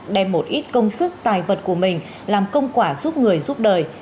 đem một ít công sức tài vật của mình làm công quả giúp người giúp đời